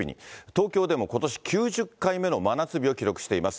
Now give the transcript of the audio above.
東京でもことし９０回目の真夏日を記録しています。